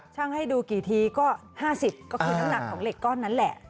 ให้ดูกี่ทีก็๕๐ก็คือน้ำหนักของเหล็กก้อนนั้นแหละ